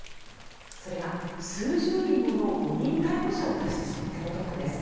それが数十人もの誤認逮捕者を出してしまったことです。